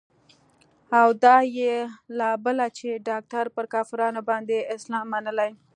او دا يې لا بله چې ډاکتر پر کافرانو باندې اسلام منلى.